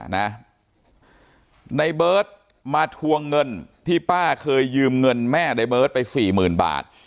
ในเบิร์ตมาทวงเงินที่ป้าเคยยืมเงินแม่ในเบิร์ตไปสี่หมื่นบาท